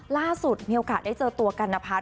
ล่าสุดมีโอกาสได้เจอกันนะพาส